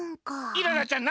イララちゃん